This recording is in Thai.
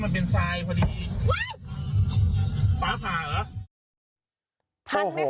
พ่อพ่าเหรอ